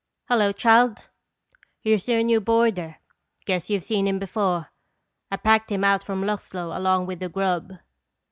"Hello, child. Here's your new boarder—guess you've seen him before. I packed him out from Luxlow along with the grub."